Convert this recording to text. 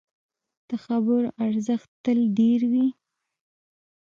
د خبرو ارزښت تل ډېر وي